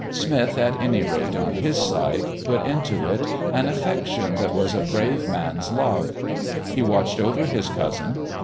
Smith, at any rate, on his side, put into it an affection that was a brave man's love. He watched over his cousin.